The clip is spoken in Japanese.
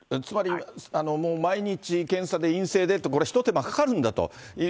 つまり、毎日検査で陰性でって、これ、一手間かかるんだと。